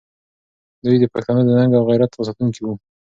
دوی د پښتنو د ننګ او غیرت ساتونکي وو.